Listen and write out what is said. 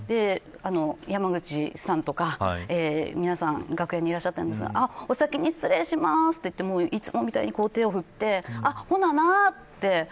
山口さんとか皆さんが楽屋にいらっしゃったんですがお先に失礼しますと言っていつもみたいに手を振ってほななって。